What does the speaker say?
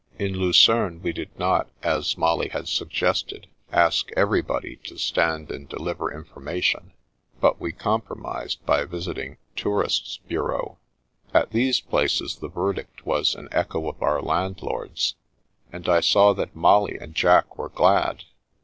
In Lucerne we did not, as Molly had suggested, ask everybody to stand and deliver information, but we compromised by visit ing tourists' bureaux. At these places the verdict was an echo of our landlord's, and I saw that Molly and Jack were glad.